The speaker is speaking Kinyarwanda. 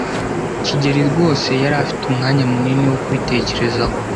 kigeli rwose yari afite umwanya munini wo kubitekerezaho.